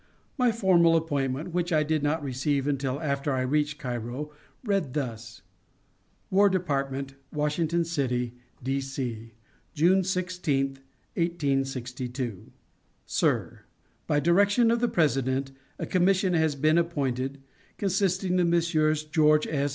My formal appointment, which I did not receive until after I reached Cairo, read thus: WAR DEPARTMENT, WASHINGTON CITY, D.C., June 16, 1862. SIR: By direction of the President, a commission has been appointed, consisting of Messrs. George S.